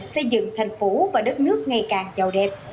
xây dựng thành phố và đất nước ngày càng giàu đẹp